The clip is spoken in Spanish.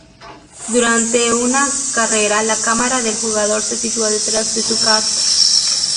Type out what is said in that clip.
Durante una carrera, la cámara del jugador se sitúa detrás de su kart.